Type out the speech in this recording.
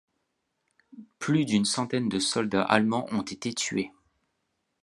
Plus d'une centaine de soldats allemands ont été tués.